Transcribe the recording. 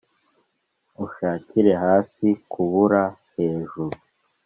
Ushakire hasi kubura hejuru